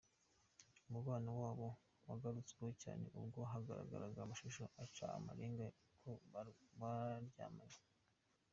Umubano wabo wagarutsweho cyane ubwo hagaragaraga amashusho aca amarenga ko baryamanye.